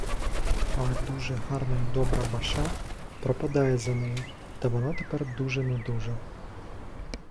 Але дуже гарна й добра, баша пропадає за нею, та вона тепер дуже недужа.